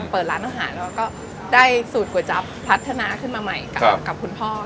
เปิดร้านอาหารแล้วก็ได้สูตรก๋วยจับพัฒนาขึ้นมาใหม่กับคุณพ่อ